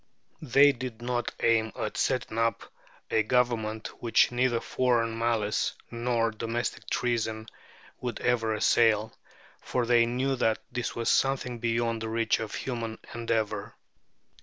They did not aim at setting up a government which neither foreign malice nor domestic treason, would ever assail, for they knew that this was something beyond the reach of human endeavour.